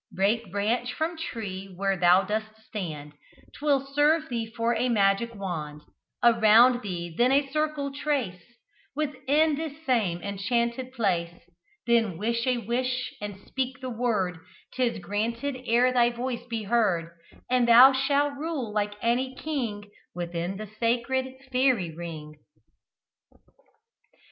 Break branch from tree where thou dost stand, 'Twill serve thee for a magic wand; Around thee then a circle trace Within this same enchanted place; Then wish a wish, and speak the word 'Tis granted ere thy voice be heard; And thou shall rule like any king Within the sacred Fairy Ring."